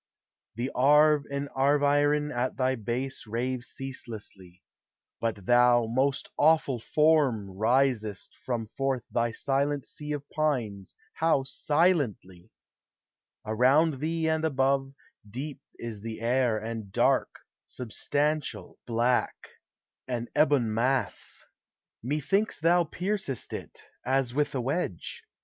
The Arve and Arveiron at thy base Rave ceaselessly; but thou, most awful Form, Risest from forth thy silent sea of pines How silently ! Around thee and above, 10 THE HIGHER LIFE. Deep is the air and dark, substantial, black — An ebon mass. Methinks thou piercest it, As with a wedge